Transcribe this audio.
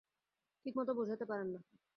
ঠিকমতো বোঝাতে পারেন না।